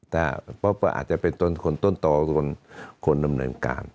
แต่พ่ออาจจะเป็นคนต้นต่อคนเหมือนกัน